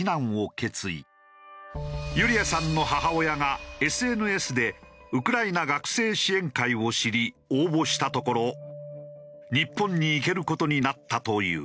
ユリヤさんの母親がＳＮＳでウクライナ学生支援会を知り応募したところ日本に行ける事になったという。